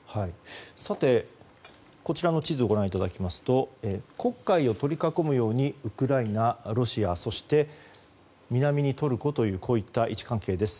こちらの地図をご覧いただきますと黒海を取り囲むようにウクライナ、ロシアそして南にトルコという位置関係です。